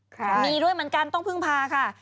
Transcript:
มีด้วยเหมือนกันต้องพึ่งพาค่ะ